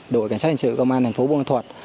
đội cảnh sát hình sự công an thành phố buôn ma thuật